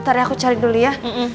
ntar ya aku cari dulu ya